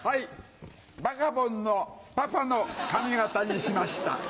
バカボンのパパの髪形にしました。